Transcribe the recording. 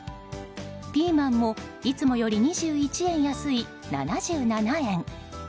ピーマンもいつもより２１円安い７７円。